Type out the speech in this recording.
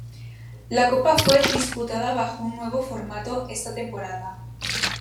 La copa fue disputada bajo un nuevo formato esta temporada.